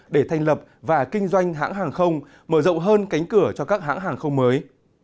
để thành lập và kinh doanh hãng hàng không mở rộng hơn cánh cửa cho các hãng hàng không mới